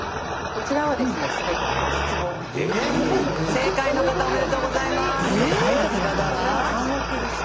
正解の方おめでとうございます。